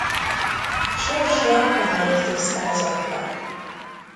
Sorsa máig tisztázatlan.